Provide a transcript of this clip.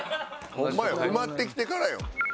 ホンマよ埋まってきてからよ。